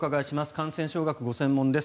感染症学がご専門です